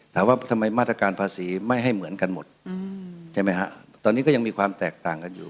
ถามว่าทำไมมาตรการภาษีไม่ให้เหมือนกันหมดใช่ไหมฮะตอนนี้ก็ยังมีความแตกต่างกันอยู่